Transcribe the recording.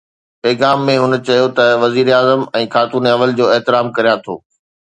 پيغام ۾ هن چيو ته وزيراعظم ۽ خاتون اول جو احترام ڪريان ٿو